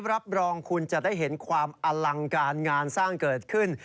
รับรองคุณจะได้เห็นความอลังการงานสร้างเกิดขึ้น